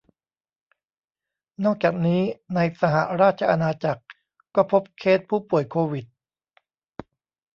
นอกจากนี้ในสหราชอาณาจักรก็พบเคสผู้ป่วยโควิด